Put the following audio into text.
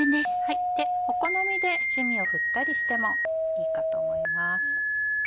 お好みで七味を振ったりしてもいいかと思います。